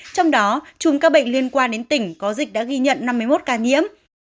trong đó trùm ca bệnh liên quan đến tỉnh có dịch đã ghi nhận năm mươi một ca nhiễm